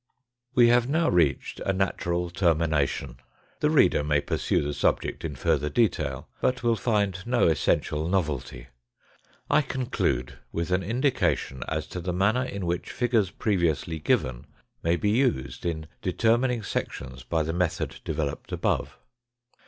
We have now reached a natural termination. The reader may pursue the subject in further detail, but will find no essential novelty. I conclude with an indication as to the manner in which figures previously given may be used in determining sections by the method developed above.